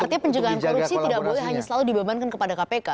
artinya penjagaan korupsi tidak boleh hanya selalu dibebankan kepada kpk